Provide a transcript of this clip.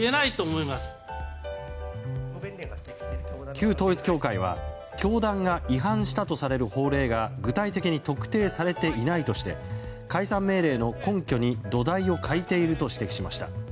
旧統一教会は教団が違反したとされる法令が具体的に特定されていないとして解散命令の根拠に土台を欠いていると指摘しました。